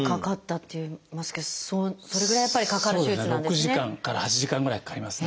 ６時間から８時間ぐらいかかりますね。